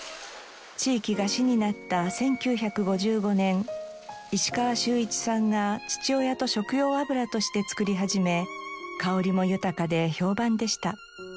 地域が市になった１９５５年石川秀一さんが父親と食用油として作り始め香りも豊かで評判でした。